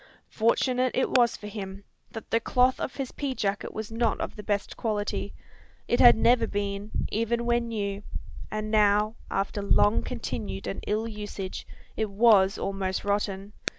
Fortunate it was for him, that the cloth of his pea jacket was not of the best quality. It had never been, even when new; and now, after long continued and ill usage, it was almost rotten.